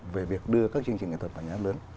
về việc đưa các chương trình nghệ thuật vào nhà đất lớn